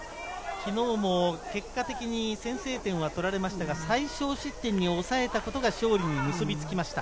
昨日も結果的に先制点は取られましたが、最少失点に抑えたことが勝利に結びつきました。